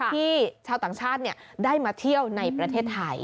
ชาวต่างชาติได้มาเที่ยวในประเทศไทย